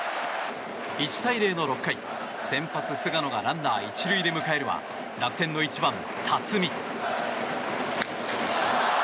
１対０の６回先発、菅野がランナー１塁で迎えるは楽天の１番、辰己。